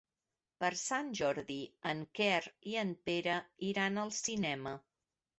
Per Sant Jordi en Quer i en Pere iran al cinema.